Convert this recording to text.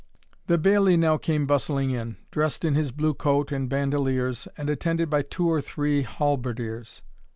The bailie now came bustling in, dressed in his blue coat and bandaliers, and attended by two or three halberdiers.